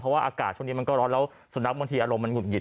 เพราะว่าอากาศช่วงนี้มันก็ร้อนแล้วสุนัขบางทีอารมณ์มันหุดหิ